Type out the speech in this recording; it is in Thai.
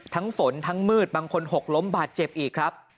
ฝนทั้งมืดบางคนหกล้มบาดเจ็บอีกครับ